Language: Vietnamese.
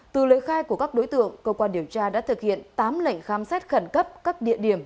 từ lời khai của các đối tượng cơ quan điều tra đã thực hiện tám lệnh khám xét khẩn cấp các địa điểm